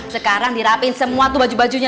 sekarang dirapin semua tuh baju bajunya